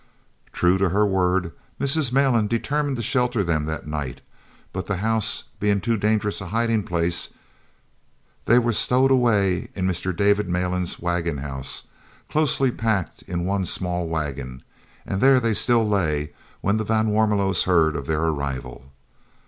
True to her word, Mrs. Malan determined to shelter them that night, but the house being too dangerous a hiding place, they were stowed away in Mr. David Malan's waggon house, closely packed in one small waggon, and there they still lay when the van Warmelos heard of their arrival.